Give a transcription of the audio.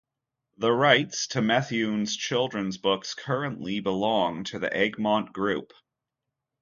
The rights to Methuen's children books currently belong to the Egmont Group.